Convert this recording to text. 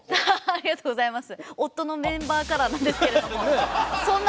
ありがとうございます。